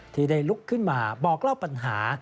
ที่ได้ลุกขึ้นมาบอกเล่าปัญหา